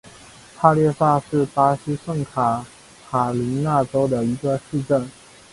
帕略萨是巴西圣卡塔琳娜州的一个市镇。